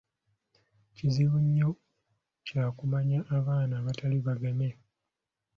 Kizibu nnyo kya kumanya abaana abatali bageme.